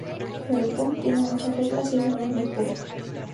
Pero el punk tiene muchas reglas, y eso no es muy Punk.